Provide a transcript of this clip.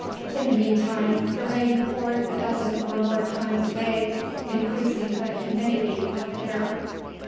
In the meantime the rain poured a dozen or more times a day, increasing the humidity of the air.